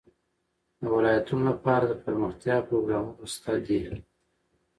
د ولایتونو لپاره دپرمختیا پروګرامونه شته دي.